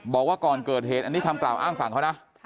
บอกว่าก่อนเกิดเหตุอันนี้คำกล่าวอ้างฝั่งเขานะ